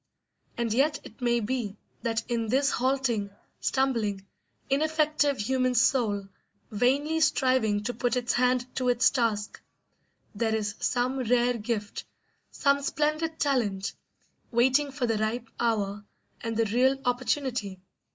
And yet it may be that in this halting, stumbling, ineffective human soul, vainly striving to put its hand to its task, there is some rare gift, some splendid talent, waiting for the ripe hour and the real opportunity!